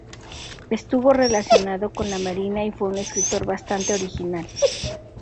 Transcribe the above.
Estuvo relacionado con la marina y fue un escritor bastante original.